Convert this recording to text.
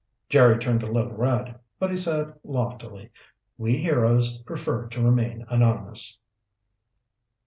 Jerry turned a little red, but he said loftily, "We heroes prefer to remain anonymous."